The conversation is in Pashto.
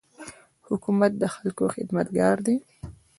حکومت د خلکو خدمتګار دی.